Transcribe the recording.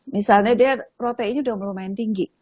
misalnya dia proteinnya udah lumayan tinggi